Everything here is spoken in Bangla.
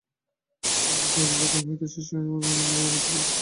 মনে তো অনেক রকম হইতেছে, সে-সমস্ত অনুমান লইয়া মিথ্যা বাদানুবাদ করিয়া কী হইবে?